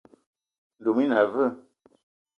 Ndoum i na aveu?